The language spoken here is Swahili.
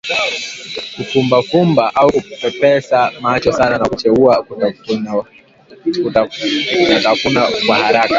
Kufumbafumba au kupepesa macho sana na kucheua kutafunatafuna kwa haraka